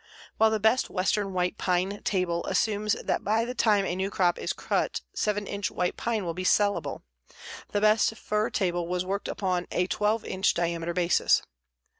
While the best western white pine table assumes that by the time a new crop is cut 7 inch white pine will be salable, the best fir table was worked upon a 12 inch diameter basis.